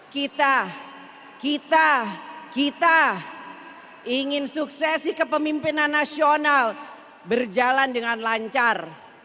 kita kita ingin suksesi kepemimpinan nasional berjalan dengan lancar